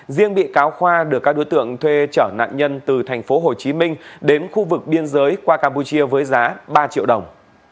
riêng bị cáo khoa được các đối tượng thuê trở nạn nhân từ tp hcm đến khu vực biên giới qua campuchia với giá ba triệu đồng